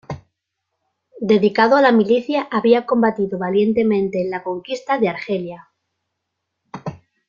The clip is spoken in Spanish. Dedicado a la milicia había combatido valientemente en la conquista de Argelia.